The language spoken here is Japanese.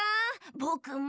ぼくも。